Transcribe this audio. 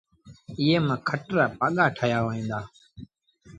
ايئي مآݩ کٽ رآ پآڳآ ٺآهيآ وهيݩ دآ۔